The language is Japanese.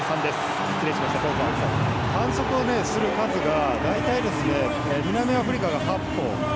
反則をする数が大体、南アフリカが８本。